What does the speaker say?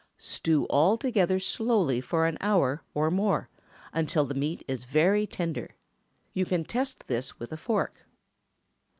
Stew all together slowly for an hour or more, until the meat is very tender; you can test this with a fork.